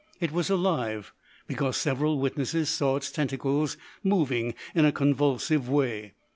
It was alive, because several witnesses saw its tentacles moving in a convulsive way.